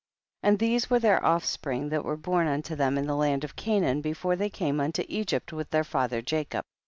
6. And these were their offspring that were born unto them in the land of Canaan, before they came unto Egypt with their father Jacob.